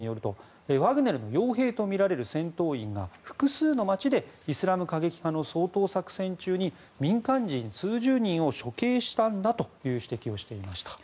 これ、ＡＦＰ通信によりますと国際人権団体ヒューマン・ライツ・ウォッチによるとワグネルの傭兵とみられる戦闘員が、複数の街でイスラム過激派の掃討作戦中に民間人数十人を処刑したんだという指摘をしていました。